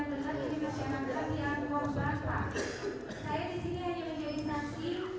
gerakan saya saya bisa mengumpulkan lagi dua puluh orang mumpan ini